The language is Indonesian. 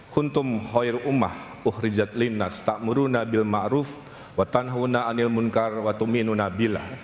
kuntum hoir umah uhrijatlin nas takmurunabil ma'ruf watan hunanil munkar watuminunabila